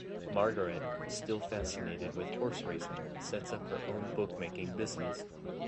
Margaret, still fascinated with horse-racing, sets up her own bookmaking business.